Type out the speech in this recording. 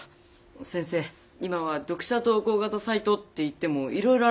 先生今は読者投稿型サイトっていってもいろいろあるんだ。